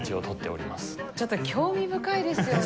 ちょっと興味深いですよね。